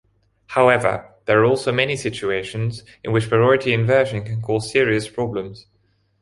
However, there are also many situations in which priority inversion can cause serious problems.